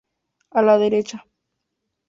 A la derecha.